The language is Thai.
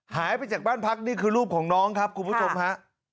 หายไปจากบ้านพักนี่คือลูกของน้องครับคุณผู้ชมฮะ